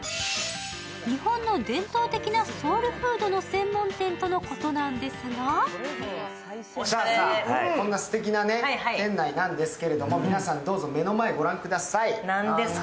日本の伝統的なソウルフードの専門店とのことですがこんなすてきな店内なんですけど、皆さんどうぞ目の前を御覧ください。